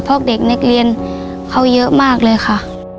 เพราะเด็กนักเรียนเขาเยอะมากเลยค่ะ